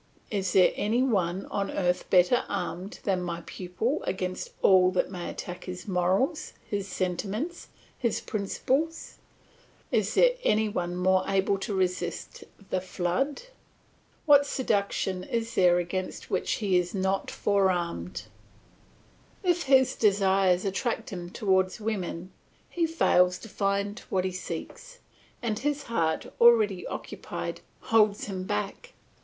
Is there any one on earth better armed than my pupil against all that may attack his morals, his sentiments, his principles; is there any one more able to resist the flood? What seduction is there against which he is not forearmed? If his desires attract him towards women, he fails to find what he seeks, and his heart, already occupied, holds him back.